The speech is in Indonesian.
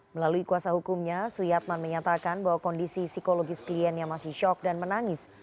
melalui kuasa hukumnya suyatman menyatakan bahwa kondisi psikologis kliennya masih shock dan menangis